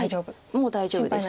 もう大丈夫です。